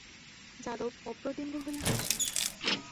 যাদব অপ্রতিম্ভ হইয়া হাসেন।